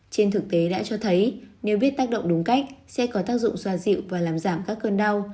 trên thực tế đã cho thấy nếu biết tác động đúng cách sẽ có tác dụng xoa dịu và làm giảm các cơn đau